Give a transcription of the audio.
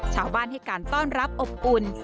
ชาวบ้านให้การต้อนรับอบอุ่น